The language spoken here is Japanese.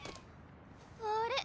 あれ？